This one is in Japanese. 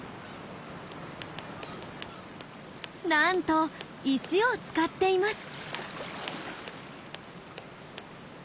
なんと石を使っています。